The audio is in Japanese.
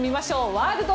ワールド！